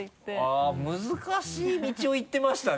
あぁ難しい道を行ってましたね。